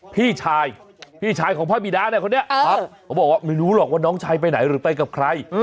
พี่ชายพี่ชายของพระบิดาเนี่ยคนนี้ครับเขาบอกว่าไม่รู้หรอกว่าน้องชายไปไหนหรือไปกับใคร